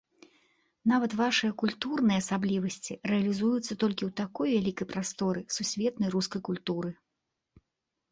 Нават вашыя культурныя асаблівасці рэалізуюцца толькі ў такой вялікай прасторы сусветнай рускай культуры.